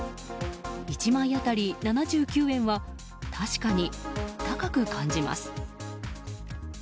１枚当たり７９円は確かに高く感じます。